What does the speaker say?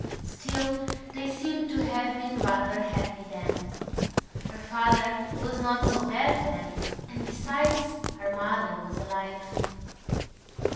Still they seemed to have been rather happy then. Her father was not so bad then; and besides, her mother was alive.